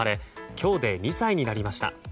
今日で２歳になりました。